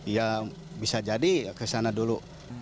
ya bisa jadi kesana dulu